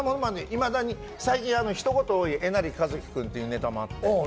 いまだに最近ひと言多いえなりかずき君というネタもあって。